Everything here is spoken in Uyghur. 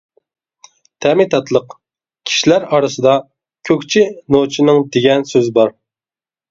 تەمى تاتلىق، كىشىلەر ئارىسىدا «كۆكچى نوچىنىڭ» دېگەن سۆز بار.